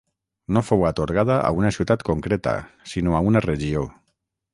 No fou atorgada a una ciutat concreta sinó a una regió.